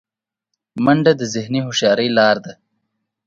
منډه د ذهني هوښیارۍ لاره ده